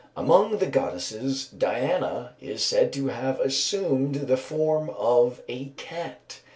Among the goddesses, Diana is said to have assumed the form of a cat.